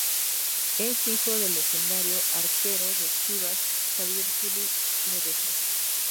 Es hijo del legendario arquero de Chivas, Javier "Zully" Ledesma.